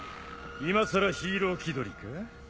今更ヒーロー気取りか？